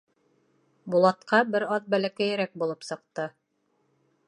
Булатҡа бер аҙ бәләкәйерәк булып сыҡты.